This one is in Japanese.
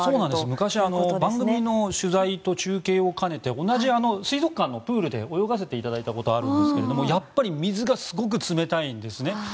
昔、番組の取材と中継を兼ねて同じ水族館のプールで泳がせていただいたことがあるんですがやっぱり水がすごく冷たいんですね。